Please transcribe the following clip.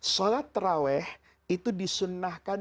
sholat terawih itu disunnahkan